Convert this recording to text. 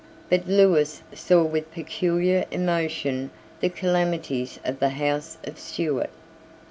But Lewis saw with peculiar emotion the calamities of the House of Stuart.